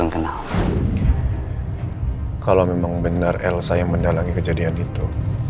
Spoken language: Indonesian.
kalau memang benar elsa yang mendalangi kejadian itu